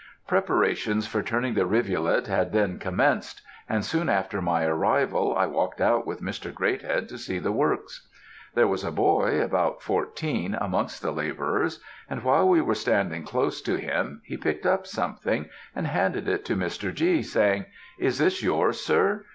"Preparations for turning the rivulet had then commenced; and soon after my arrival, I walked out with Mr. Greathead to see the works. There was a boy, about fourteen, amongst the labourers; and while we were standing close to him, he picked up something, and handed it to Mr. G., saying, 'Is this yours, sir?'